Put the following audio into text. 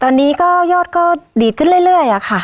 ตอนนี้ก็ยอดก็ดีดขึ้นเรื่อยค่ะ